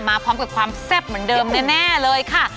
มาพร้อมกับความแซ่บเหมือนเดิมแน่เลยค่ะ